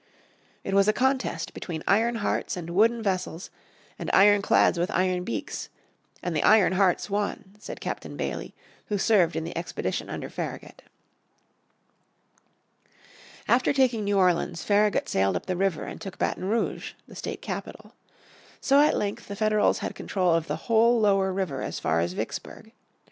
"It was a contest between iron hearts and wooden vessels, and iron clads with iron beaks, and the iron hearts won," said Captain Bailey who served in the expedition under Farragut. After taking New Orleans Farragut sailed up the river and took Baton Rouge, the state capital. So at length the Federals had control of the whole lower river as far as Vicksburg.